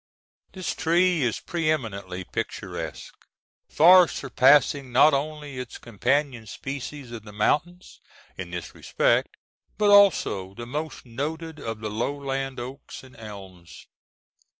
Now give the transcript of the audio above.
This tree is pre eminently picturesque, far surpassing not only its companion species of the mountains in this respect, but also the most noted of the lowland oaks and elms.